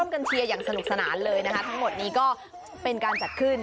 กันเชียร์อย่างสนุกสนานเลยนะคะทั้งหมดนี้ก็เป็นการจัดขึ้น